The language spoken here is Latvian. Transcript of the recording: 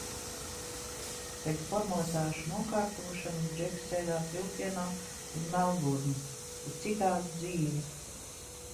Pēc formalitāšu nokārtošanas Džeks sēdās vilcienā uz Melburnu, uz citādu dzīvi!